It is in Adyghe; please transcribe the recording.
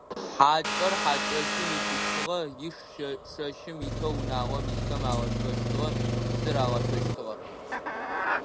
Хьакӏэр хьакӏэщым исыщтыгъэ, иш шэщым итэу унагъом исхэмэ агъашхэщтыгъэ, псы рагъашъощтыгъэ.